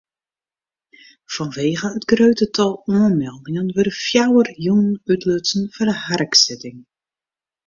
Fanwegen it grutte tal oanmeldingen wurde fjouwer jûnen útlutsen foar de harksitting.